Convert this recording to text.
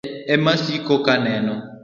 Masiche emaasiko kaneno.